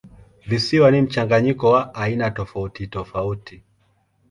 Visiwa ni mchanganyiko wa aina tofautitofauti.